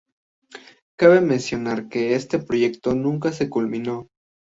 Cabe mencionar que este proyecto nunca se culminó.